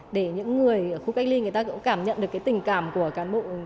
để những người ở khu cách ly người ta cũng cảm nhận được cái tình cảm của cán bộ